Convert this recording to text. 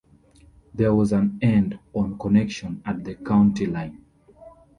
There was an end-on connection at the county line.